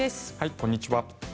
こんにちは。